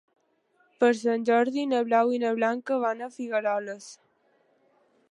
Per Sant Jordi na Blau i na Blanca van a Figueroles.